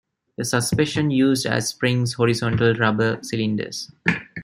The suspension used as springs horizontal rubber cylinders.